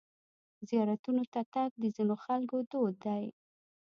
زیارتونو ته تګ د ځینو خلکو دود دی.